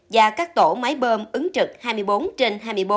và các tổ máy bơm ứng trực hai mươi bốn trên hai mươi bốn